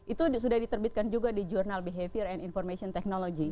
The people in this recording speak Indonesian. itu sudah diterbitkan juga di jurnal behavior and information technology